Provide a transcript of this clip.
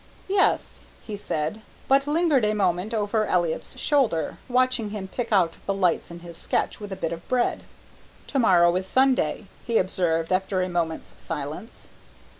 "Yes," he said, but lingered a moment over Elliott's shoulder, watching him pick out the lights in his sketch with a bit of bread. "To morrow is Sunday," he observed after a moment's silence.